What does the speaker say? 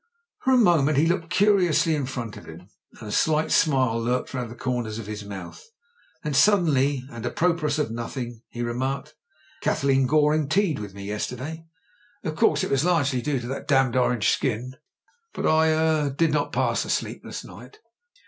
For a moment he looked curiously in front of him, and a slight smile lurked round the comers of his mouth. Then suddenly, and apropos of nothing, he remarked, "Kathleen Goring tea'd with me yesterday. ISO MEN, WOMEN AND GUNS Of course, it was largely due to that damned orange skin, but I — er— did not pass a sleepless night."